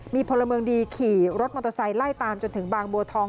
มีพลเมืองดีขี่รถมอเตอร์ไซค์ไล่ตามจนถึงบางบัวทอง